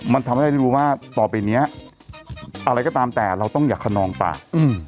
มันทำให้เราได้รู้ว่าต่อไปเนี้ยอะไรก็ตามแต่เราต้องอย่าขนองปาก